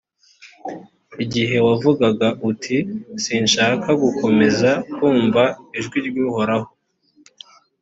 igihe wavugaga uti «sinshaka gukomeza kumva ijwi ry’uhoraho